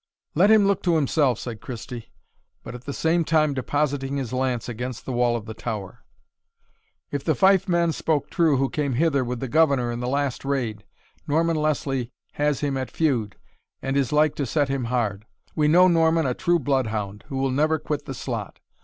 "Let him look to himself," said Christie, but at the same time depositing his lance against the wall of the tower; "if the Fife men spoke true who came hither with the Governor in the last raid, Norman Leslie has him at feud, and is like to set him hard. We know Norman a true bloodhound, who will never quit the slot.